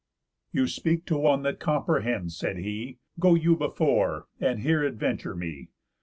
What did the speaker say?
"You speak to one that comprehends," said he, "Go you before, and here adventure me.